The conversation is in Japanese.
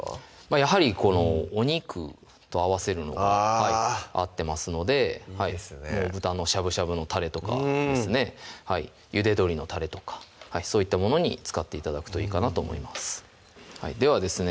やはりお肉と合わせるのが合ってますので豚のしゃぶしゃぶのたれとかゆで鶏のたれとかそういったものに使って頂くといいかなと思いますではですね